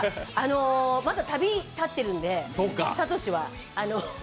まだ、旅してるんで、サトシは。